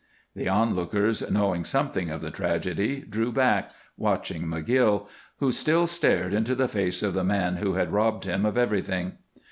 The onlookers, knowing something of the tragedy, drew back, watching McGill, who still stared into the face of the man who had robbed him of everything.